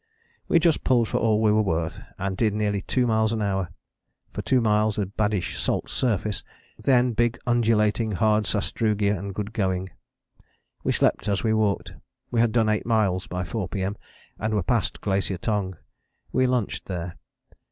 We just pulled for all we were worth and did nearly two miles an hour: for two miles a baddish salt surface, then big undulating hard sastrugi and good going. We slept as we walked. We had done eight miles by 4 P.M. and were past Glacier Tongue. We lunched there.